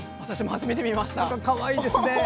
かわいいですね。